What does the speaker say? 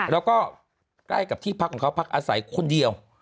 แล้วก็ใกล้กับที่พักของเขาพักอาศัยคนเดียว